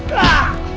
kamu mahga lu